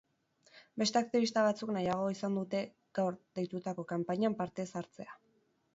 Beste aktibista batzuk nahiago izan dute gaur deitutako kanpainan parte ez hartzea.